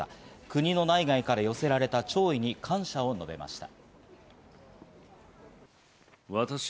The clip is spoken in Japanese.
国の内外から寄せられた弔意に感謝を述べました。